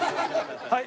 はい。